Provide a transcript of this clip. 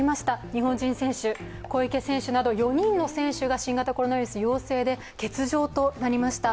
日本人選手、小池選手など４人の選手が新型コロナウイルス陽性で欠場となりました。